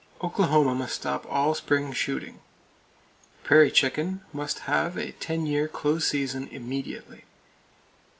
Oklahoma must stop all spring shooting. The prairie chicken must have a ten year close season, immediately.